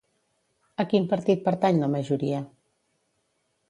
A quin partit pertany la majoria?